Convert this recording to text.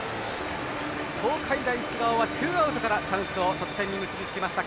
東海大菅生がツーアウトからチャンスを得点に結び付けました。